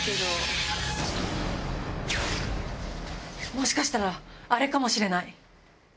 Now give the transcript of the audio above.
もしかしたらあれかもしれない。